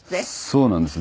そうなんです。